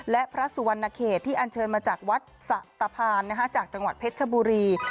และพระสุวรรณเขตที่อันเชิญมาจากวัดสะตะพานจากจังหวัดเพชรชบุรี